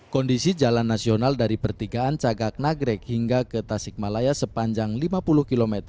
kondisi jalan nasional dari pertigaan cagak nagrek hingga ke tasikmalaya sepanjang lima puluh km